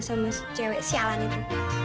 sama cewek sialan itu